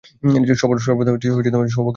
সর্বদা সৌভাগ্য বিরাজ করত।